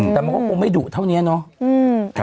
แต่มันก็คงไม่ดุเท่านี้เนาะ